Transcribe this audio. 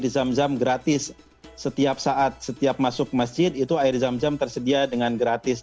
jadi kita bisa memberikan air zam zam gratis setiap saat setiap masuk ke masjid itu air zam zam tersedia dengan gratis